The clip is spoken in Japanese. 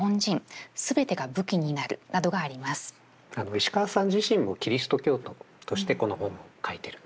石川さん自身もキリスト教徒としてこの本を書いてるんですよね。